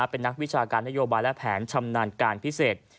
เป็นนักวิชาการนโยบายและแผนชำนาญการพิเศษ